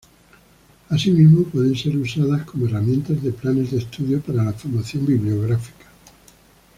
Asimismo, pueden ser usadas como herramientas de planes de estudio para la formación bibliográfica.